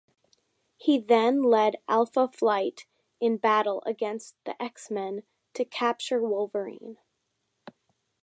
He then led Alpha Flight in battle against the X-Men to capture Wolverine.